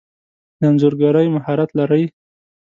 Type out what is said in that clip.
د انځورګری مهارت لرئ؟